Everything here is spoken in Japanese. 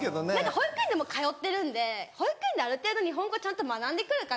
保育園通ってるんで保育園である程度日本語ちゃんと学んでくるかなと。